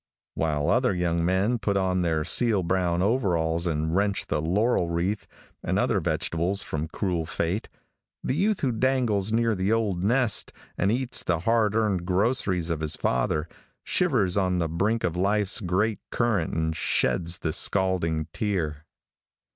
While other young men put on their seal brown overalls and wrench the laurel wreath and other vegetables from cruel fate, the youth who dangles near the old nest, and eats the hard earned groceries of his father, shivers on the brink of life's great current and sheds the scalding tear.